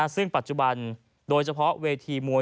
ซึ่งปัจจุบันโดยเฉพาะเวทีมวย